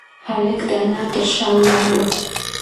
هلک د انا تر شا ولاړ و.